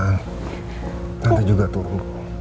nanti juga tunggu